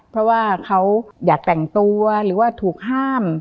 เพราะว่าเขาอยากแต่งตัวหรือว่าถูกห้าม